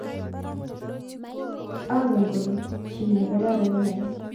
Angen kole chi negararan inne?